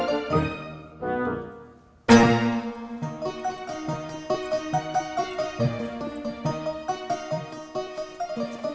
masih ada yang mau